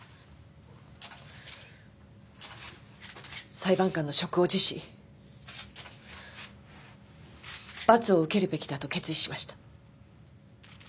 裁判官の職を辞し罰を受けるべきだと決意しました。